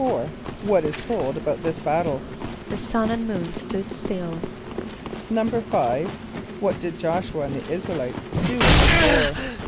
= What is told about this battle? =The sun and moon stood still.= =5.= What did J[)o]sh´u [.a] and the [)I][s+]´ra el [=i]tes do in this war?